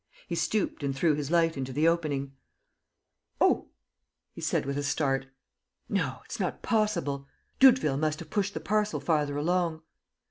He stooped and threw his light into the opening: "Oh!" he said, with a start. "No, it's not possible ... Doudeville must have pushed the parcel farther along."